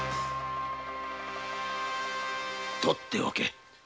取っておけ。